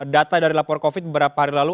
data dari lapor covid beberapa hari lalu